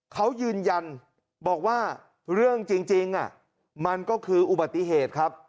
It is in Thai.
เขายืนยันบอกว่าเรื่องจริงมันก็คืออุบัติเหตุครับ